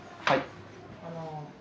はい。